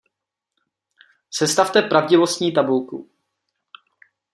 Sestavte pravdivostní tabulku.